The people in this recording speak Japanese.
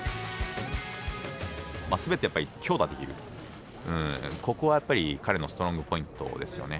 すべてでやっぱり強打できる、ここはやっぱり彼のストロングポイントですよね。